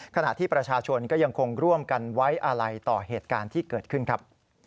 ขณะที่ประชาชนก็ยังคงร่วมกันไว้อาลัยต่อเหตุการณ์ที่เกิดขึ้นครับ